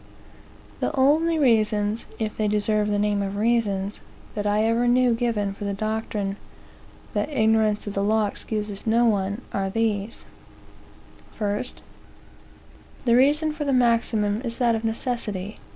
The only reasons, (if they deserve the name of reasons), that I ever knew given for the doctrine that ignorance of the law excuses no one, are these: 1. "The reason for the maxim is that of necessity.